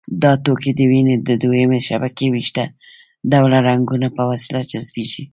دا توکي د وینې د دویمې شبکې ویښته ډوله رګونو په وسیله جذبېږي.